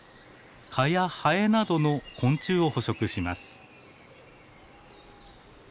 蚊やハエなどの昆虫を捕食します。